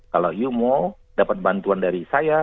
kalau you mau dapat bantuan dari saya